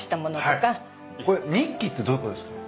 これニッキってどういうことですか？